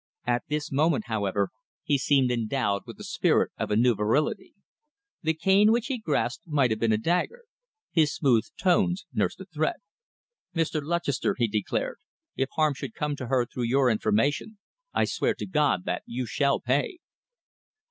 At this moment, however, he seemed endowed with the spirit of a new virility. The cane which he grasped might have been a dagger. His smooth tones nursed a threat. "Mr. Lutchester," he declared, "if harm should come to her through your information, I swear to God that you shall pay!"